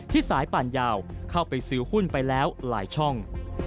สายป่านยาวเข้าไปซื้อหุ้นไปแล้วหลายช่อง